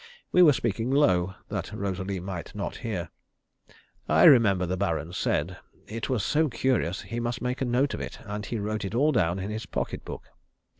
We were speaking low, that Rosalie might not hear. I remember the Baron said it was so curious he must take a note of it, and he wrote it all down in his pocket book.